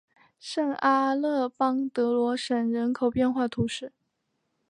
圣阿勒邦德罗什人口变化图示